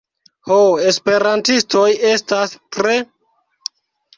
ho, esperantistoj estas tre...